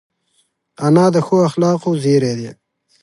انا د ښو اخلاقو زېری ده